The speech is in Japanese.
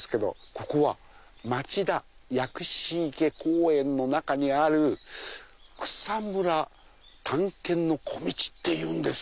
ここは町田薬師池公園の中にある草むら探検の小径っていうんです。